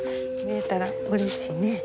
見えたらうれしいね。